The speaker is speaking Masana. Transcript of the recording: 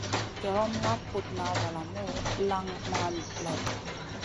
Jorom ŋaɗ putna valamu lanŋ man lèh.